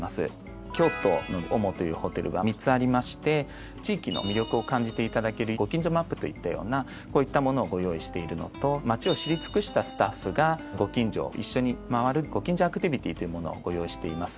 京都の「ＯＭＯ」というホテルが３つありまして地域の魅力を感じていただけるご近所マップといったようなこういったものをご用意しているのと街を知り尽くしたスタッフがご近所を一緒に回る「ご近所アクティビティ」というものをご用意しています。